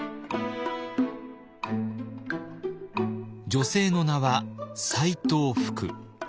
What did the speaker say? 女性の名は斎藤福。